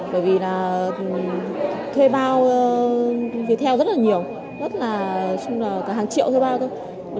bởi vì là thuê bao việt theo rất là nhiều rất là trong lòng là cả hàng triệu thuê bao thôi